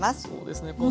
そうですね。